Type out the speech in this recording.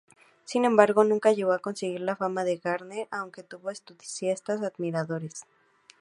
Sin embargo, nunca llegó a conseguir la fama de Garner, aunque tuvo entusiastas admiradores.